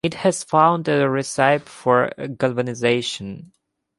It has found a recipe for galvanization.